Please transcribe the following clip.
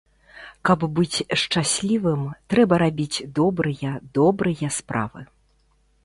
Каб быць шчаслівым, трэба рабіць добрыя добрыя справы.